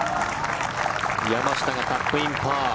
山下がタップイン、パー。